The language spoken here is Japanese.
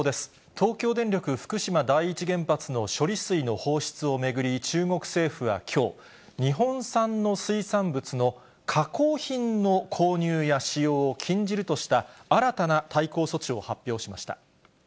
東京電力福島第一原発の処理水の放出を巡り、中国政府はきょう、日本産の水産物の加工品の購入や使用を禁じるとした、新たな対抗措置を発表しました。